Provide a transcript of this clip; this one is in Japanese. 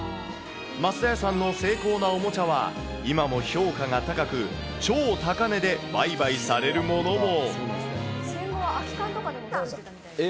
増田屋さんの精巧なおもちゃは、今も評価が高く、超高値で売買されるものも。